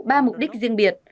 ba mục đích riêng biệt